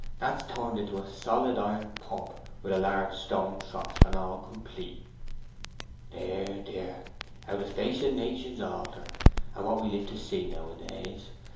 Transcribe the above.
That's turned into a solid iron pump with a large stone trough, and all complete." "Dear, dear—how the face of nations alter, and what we live to see nowadays!